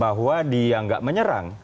bahwa dia nggak menyerang